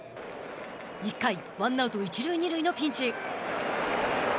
１回、ワンアウト、一塁二塁のピンチ。